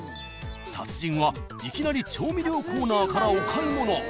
［達人はいきなり調味料コーナーからお買い物］